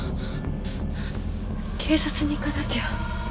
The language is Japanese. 警察に行かなきゃ。